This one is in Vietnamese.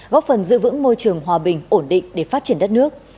góp phần giữ vững môi trường hòa bình ổn định để phát triển đất nước